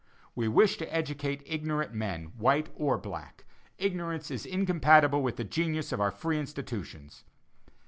We wish to educate ignorant men, white or black. Ignorance is incompatible with the genius of our free institutions.